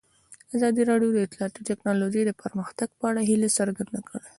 ازادي راډیو د اطلاعاتی تکنالوژي د پرمختګ په اړه هیله څرګنده کړې.